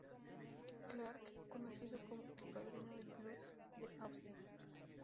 Clark, conocido como el "padrino del "blues" de Austin".